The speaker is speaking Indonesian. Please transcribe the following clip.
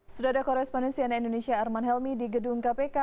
sudah ada korespondensi dari indonesia arman helmi di gedung kpk